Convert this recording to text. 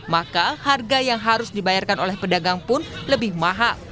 maka harga yang harus dibayarkan oleh pedagang pun lebih mahal